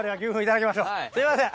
すいません。